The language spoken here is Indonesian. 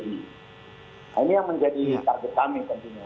nah ini yang menjadi target kami tentunya